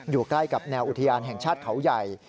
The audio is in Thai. อยู่ใกล้กับแนวอุทยานแห่งชาติเขาใหญ่